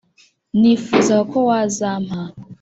nifuzaga ko wazampa”